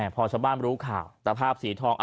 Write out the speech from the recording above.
พอชาวบ้านรู้ข่าวตะภาพสีทอง